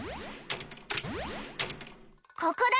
ここだよ